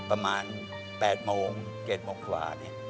ประมาณ๘โมง๗โมงกว่า